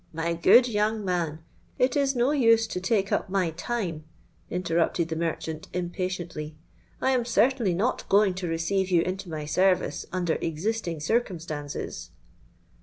'—'My good young man, it is no use to take up my time,' interrupted the merchant impatiently; 'I am certainly not going to receive you into my service, under existing circumstances.'